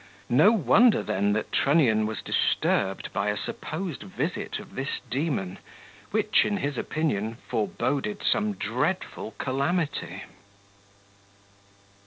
No wonder then that Trunnion was disturbed by a supposed visit of this demon, which, in his opinion, foreboded some dreadful calamity.